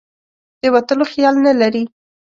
د وتلو خیال نه لري.